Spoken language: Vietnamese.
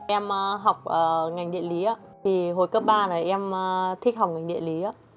em học ngành điện lý thì hồi cấp ba là em thích học ngành địa lý